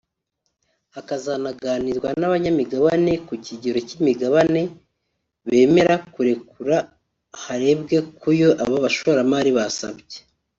hakazanaganirwa n’abanyamigabane ku kigero cy’imigabane bemera kurekura harebwe ku yo aba bashoramari basabye